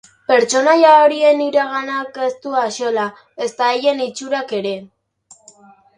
Pertsonaia horien iraganak ez du axola, ezta haien itxurak ere